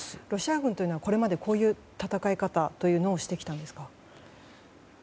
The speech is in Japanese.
ロシア軍はこれまでこういう戦い方をしてきたんですか？